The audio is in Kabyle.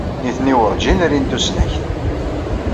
Nitni werǧin rin tusnakt.